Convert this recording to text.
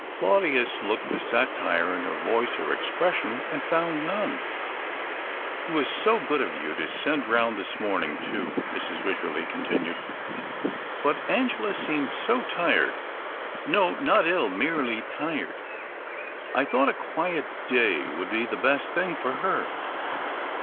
Claudius looked for satire in her voice or expression, and found none. " It was so good of you to send round this morning too," Mrs. AVycherley continued. " But Ano; ela seemed so tired. No — not ill — merely tired. I thought a quiet day would be the best thing for her.